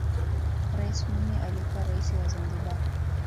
rais mwinyi alikuwa raisi wa zanzibar